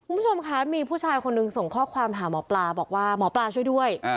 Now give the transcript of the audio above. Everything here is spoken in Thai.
คุณผู้ชมคะมีผู้ชายคนหนึ่งส่งข้อความหาหมอปลาบอกว่าหมอปลาช่วยด้วย